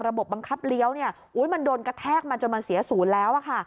ระบบบังคับเลี้ยวโอ๊ยมันโดนกระแทกมาจนมันเสียศูนย์แล้ว